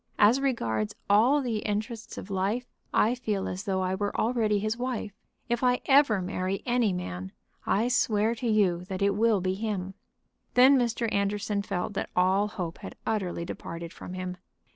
As regards all the interests of life, I feel as though I were already his wife. If I ever marry any man I swear to you that it will be him." Then Mr. Anderson felt that all hope had utterly departed from him.